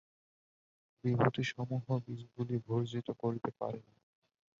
বিভূতিসমূহ বীজগুলি ভর্জিত করিতে পারে না।